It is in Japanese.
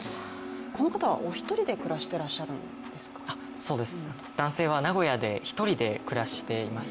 この方はお一人で暮らしてらっしゃるんですかそうです、男性は名古屋で１人で暮らしています。